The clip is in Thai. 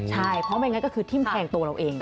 ใช่เพราะไม่งั้นก็คือทิ้มแทงตัวเราเอง